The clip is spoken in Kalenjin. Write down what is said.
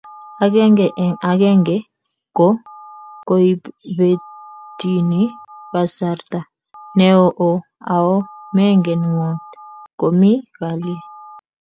Akenge eng akenge ko koibetyini kasarta neo oo ao mengen ngot komii kalyee.